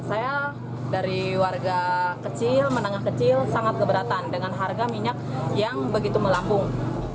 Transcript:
saya dari warga kecil menengah kecil sangat keberatan dengan harga minyak yang begitu melambung